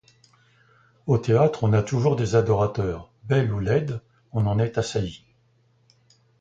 Au théâtre, on a toujours des adorateurs ; belles ou laides, on en est assailli.